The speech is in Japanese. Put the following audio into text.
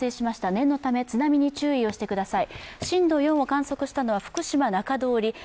念のため津波に注意をしてください。